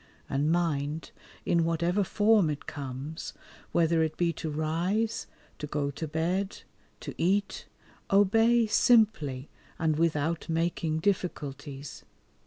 And mind, in whatever form it comes, whether it be to rise, to go to bed, to eat, obey simply, and without making difficulties.